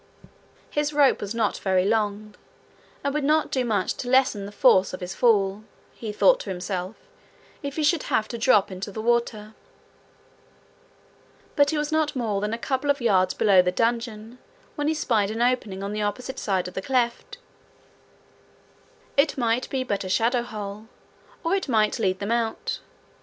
His rope was not very long, and would not do much to lessen the force of his fall he thought to himself if he should have to drop into the water; but he was not more than a couple of yards below the dungeon when he spied an opening on the opposite side of the cleft: it might be but a shadow hole, or it might lead them out.